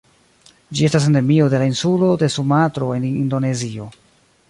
Ĝi estas endemio de la insulo de Sumatro en Indonezio.